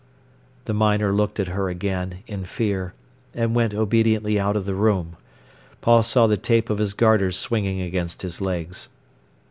The miner looked at her again, in fear, and went obediently out of the room. Paul saw the tape of his garters swinging against his legs.